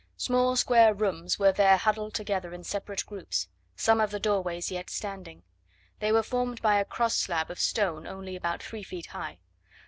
Small square rooms were there huddled together in separate groups: some of the doorways were yet standing; they were formed by a cross slab of stone only about three feet high.